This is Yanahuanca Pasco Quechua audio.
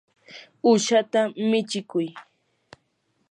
uushata michikuy.